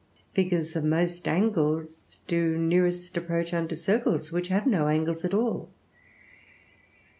Figures of most angles do nearest approach unto circles, which have no angles at all.